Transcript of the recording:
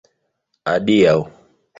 Adiaŭ.